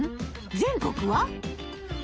全国は？